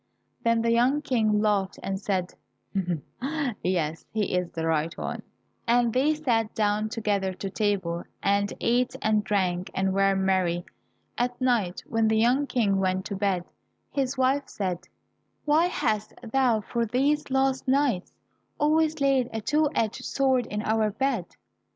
Then the young King laughed and said, "Yes, he is the right one," and they sat down together to table, and ate and drank, and were merry. At night when the young King went to bed, his wife said, "Why hast thou for these last nights always laid a two edged sword in our bed?